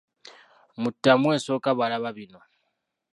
Mu ttaamu esooka balaba bino.